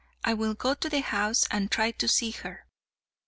I will go to the house and try to see her."